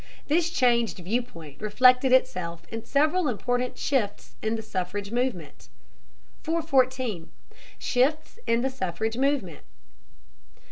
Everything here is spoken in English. This changed viewpoint reflected itself in several important shifts in the suffrage movement. 414. SHIFTS IN THE SUFFRAGE MOVEMENT.